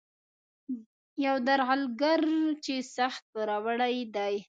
یو درغلګر چې سخت پوروړی دی.